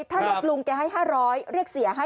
ถ้าเรียกลุงแกให้๕๐๐เรียกเสียให้